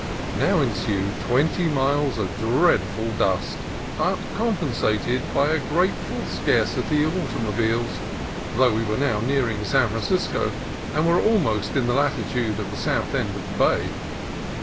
Now ensued twenty miles of dreadful dust, but compensated by a grateful scarcity of automobiles, though we were now nearing San Francisco and were almost in the latitude of the southern end of the bay.